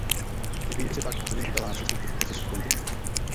Z Pekingu se pak pochodeň vydala na cestu po šesti kontinentech.